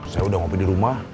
saya udah ngopi di rumah